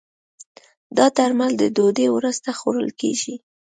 دا درمل د ډوډی وروسته خوړل کېږي.